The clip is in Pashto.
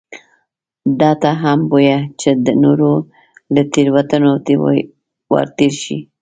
ده ته هم بویه چې د نورو له تېروتنو ورتېر شي.